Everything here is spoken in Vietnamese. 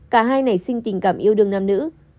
cả hai nảy sinh tình cảm yêu đương nam nữ